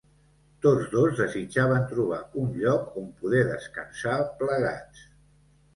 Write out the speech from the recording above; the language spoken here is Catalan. Tots dos desitjaven trobar un lloc on poder descansar plegats.